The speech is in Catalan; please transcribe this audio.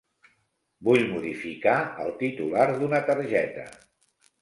Vull modificar el titular d'una targeta.